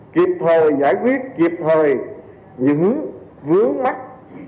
kịp thời giải quyết kịp thời những vướng mắt